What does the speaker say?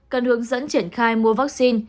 cần hướng dẫn triển khai mua vaccine